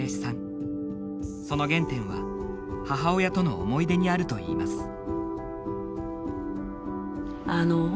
その原点は母親との思い出にあるといいます。